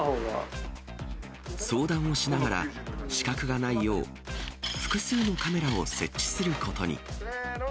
相談をしながら、死角がないよう、複数のカメラを設置することに。